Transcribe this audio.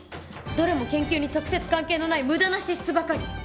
どれも研究に直接関係のない無駄な支出ばかり。